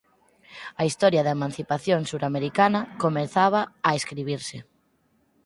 A historia da emancipación suramericana comezaba a escribirse.